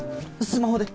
スマホで。